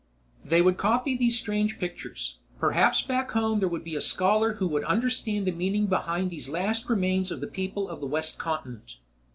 They would copy these strange pictures. Perhaps back home there would be a scholar who would understand the meaning behind these last remains of the people of the west continent.